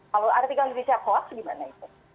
kalau artikelnya bisa hoax gimana itu